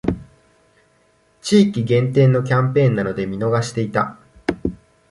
地域限定のキャンペーンなので見逃していた